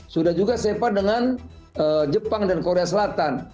sudah juga sepa dengan jepang dan korea selatan